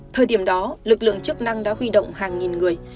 thời điểm đó lực lượng chức năng đã huy động hàng nghìn người